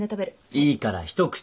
いいから一口。